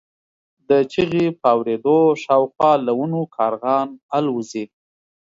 د چیغې په اورېدو شاوخوا له ونو کارغان الوځي.